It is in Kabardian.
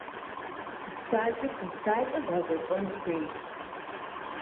- Псалъэ щыстакӀэ, згъэзэщӀэн хуейщ.